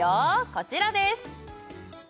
こちらです